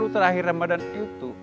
sepuluh terakhir ramadan itu